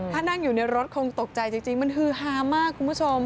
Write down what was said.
ถ้านั่งอยู่ในรถคงตกใจจริงมันฮือฮามากคุณผู้ชม